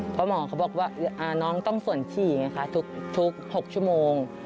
เพราะหมอเขาบอกว่าน้องต้องส่วนฉี่ไงคะทุก๖ชั่วโมง